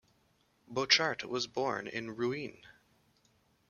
Bochart was born in Rouen.